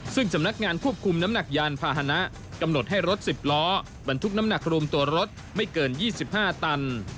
ซึ่งสำนักงานควบคุมน้ำหนักยานพาหนะกำหนดให้รถ๑๐ล้อบรรทุกน้ำหนักรวมตัวรถไม่เกิน๒๕ตัน